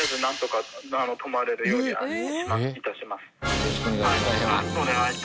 よろしくお願いします。